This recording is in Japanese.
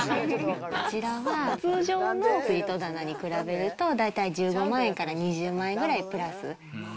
こちらは通常のつり戸棚に比べると大体１５万円から２０万円ぐらいプラス。